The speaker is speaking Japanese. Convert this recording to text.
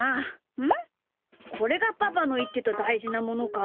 これがパパのいってただいじなものか。